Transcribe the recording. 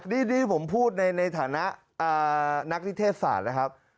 นี่ที่ผมพูดในฐานะนักนิเทศศาสตร์นะครับ